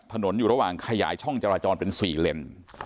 ถนนอยู่ระหว่างขยายช่องจราจรเป็น๔เลน